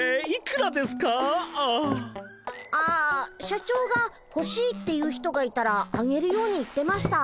ああ社長がほしいって言う人がいたらあげるように言ってました。